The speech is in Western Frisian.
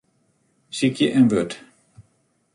Sykje in wurd.